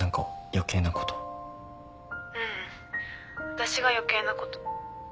私が余計なこと